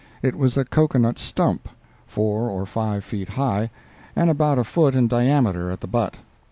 It was a cocoa nut stump, four or five feet high, and about a foot in diameter at the butt.